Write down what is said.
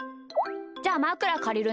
じゃあまくらかりるね。